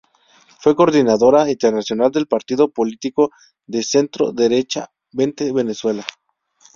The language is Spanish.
Fue coordinadora internacional del partido político de centro-derecha Vente Venezuela.